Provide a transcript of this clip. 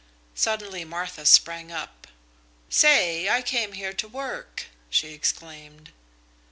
Suddenly Martha sprang up. "Say, I came here to work!" she exclaimed.